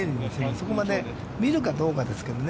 そこまで見るかどうかですけどね。